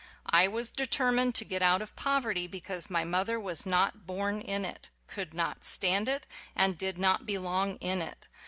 I was de temained to get out of poverty because my mother was not born in it, could not stand it, and did not belong in it.